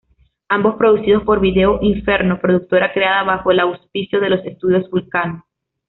Ambos producidos por Vídeo Inferno, productora creada bajo el auspicio de los Estudios Vulcano.